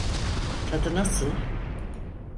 Tadı nasıl?